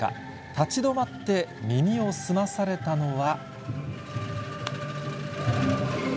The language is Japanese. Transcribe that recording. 立ち止まって耳を澄まされたのは。